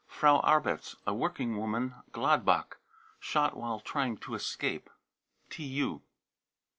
frau arbets, a working woman, Gladbach, " sliot while trying to escape." {TU.)